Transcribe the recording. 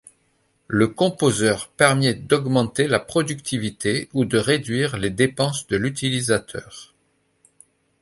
Le composeur permet d’augmenter la productivité ou de réduire les dépenses de l’utilisateur.